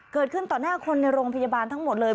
เกิดขึ้นต่อหน้าคนในโรงพยาบาลทั้งหมดเลย